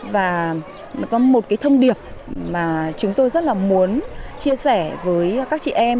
và nó có một cái thông điệp mà chúng tôi rất là muốn chia sẻ với các chị em